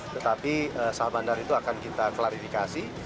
tetapi sah bandar itu akan kita klarifikasi